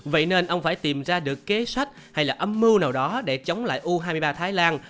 vậy nên ông phải tìm ra được kế sách hay là âm mưu nào đó để chống lại u hai mươi ba thái lan